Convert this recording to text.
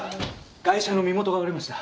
ガイシャの身元が割れました。